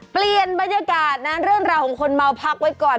เปลี่ยนบรรยากาศนะเรื่องราวของคนเมาพักไว้ก่อน